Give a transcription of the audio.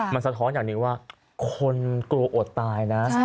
มันสะท้อนอย่างนี้ว่าคนกลัวอดตายนะ